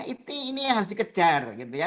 ini harus dikejar